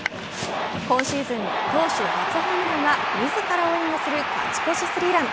今シーズン投手初ホームランは自らを援護する勝ち越しスリーラン。